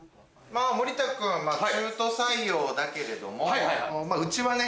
森田君中途採用だけれどもうちはね